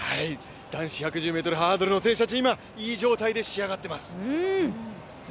男子１１０ｍハードルの選手たち、今、いい状態で仕上がってます。